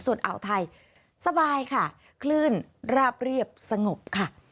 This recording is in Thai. ส่วนอ่าวไทยสบายค่ะคลื่นราบเรียบสงบค่ะ